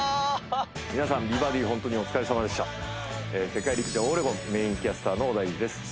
皆さん美バディホントにお疲れさまでした世界陸上オレゴンメインキャスターの織田裕二です